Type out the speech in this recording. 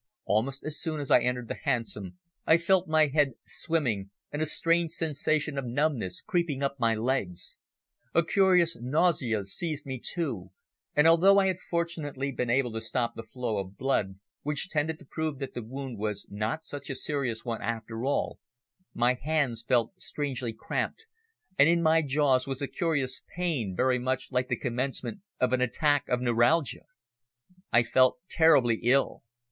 Almost as soon as I entered the hansom I felt my head swimming and a strange sensation of numbness creeping up my legs. A curious nausea seized me, too, and although I had fortunately been able to stop the flow of blood, which tended to prove that the wound was not such a serious one after all, my hands felt strangely cramped, and in my jaws was a curious pain very much like the commencement of an attack of neuralgia. I felt terribly ill.